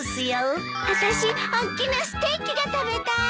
私おっきなステーキが食べたい！